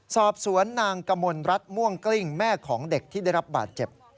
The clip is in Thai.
สอบสวนนางกมลรัฐม่วงกลิ้งแม่ของเด็กที่ได้รับบาดเจ็บ